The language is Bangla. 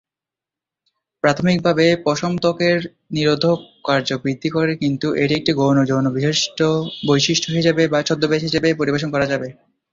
প্রাথমিকভাবে, পশম ত্বকের নিরোধক কার্য বৃদ্ধি করে কিন্তু এটি একটি গৌণ যৌন বৈশিষ্ট্য হিসাবে বা ছদ্মবেশ হিসেবে পরিবেশন করা যাবে।